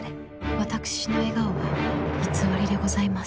私の笑顔は偽りでございます。